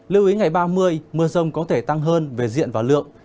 lưu ý ngày ba mươi mưa sông có thể tăng hơn về diện và lượng